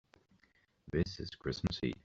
This is Christmas Eve.